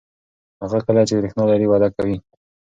هغه کلی چې برېښنا لري وده کوي.